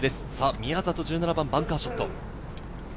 宮里、１７番、バンカーショット。